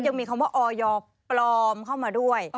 ยังมีคำว่าออยปลอมเข้ามาด้วย